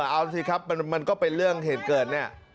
เอาสิครับมันก็เป็นเรื่องเหตุเกิดเนี่ย